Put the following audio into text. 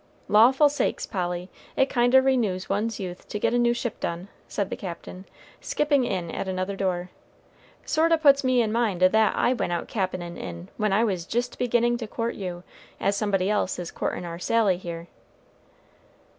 "Lawful sakes, Polly, it kind o' renews one's youth to get a new ship done," said the Captain, skipping in at another door. "Sort o' puts me in mind o' that I went out cap'en in when I was jist beginning to court you, as somebody else is courtin' our Sally here."